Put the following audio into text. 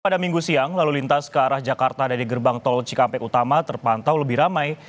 pada minggu siang lalu lintas ke arah jakarta dari gerbang tol cikampek utama terpantau lebih ramai